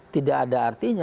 tidak ada artinya